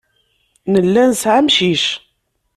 Nella nesɛa amcic.